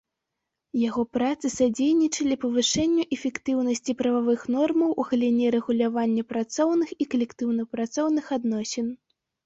Яго працы садзейнічалі павышэнню эфектыўнасці прававых нормаў у галіне рэгулявання працоўных і калектыўна-працоўных адносін.